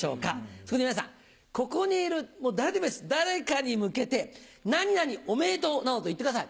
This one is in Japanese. そこで皆さんここにいる誰でもいいです誰かに向けて「何々おめでとう」などと言ってください。